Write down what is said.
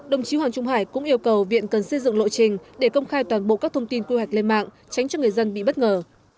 đồng chí hoàng trung hải cũng yêu cầu viện cần xây dựng lộ trình để công khai toàn bộ các thông tin quy hoạch lên mạng tránh cho người dân bị bất ngờ